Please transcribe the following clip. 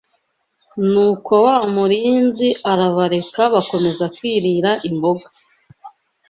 Nuko wa murinzi arabareka bakomeza kwirira imboga